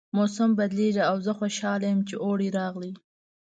موسم بدلیږي او زه خوشحاله یم چې اوړی راغی